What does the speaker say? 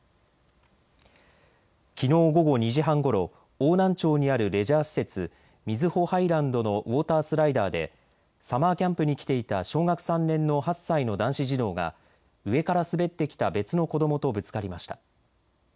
きのう午後２時半ごろ邑南町にあるレジャー施設、瑞穂ハイランドのウォータースライダーでサマーキャンプに来ていた小学３年の８歳の男子児童が上から滑ってきた別の子どもとぶつかりました。